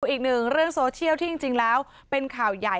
อีกหนึ่งเรื่องโซเชียลที่จริงแล้วเป็นข่าวใหญ่